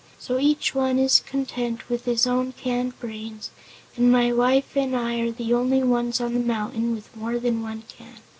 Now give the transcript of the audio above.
So each one is content with his own canned brains and my wife and I are the only ones on the mountain with more than one can.